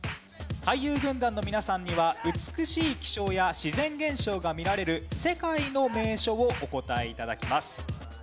俳優軍団の皆さんには美しい気象や自然現象が見られる世界の名所をお答え頂きます。